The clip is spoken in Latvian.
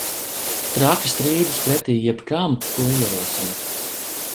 Traki strīdas pretī jebkam, ko ierosinu.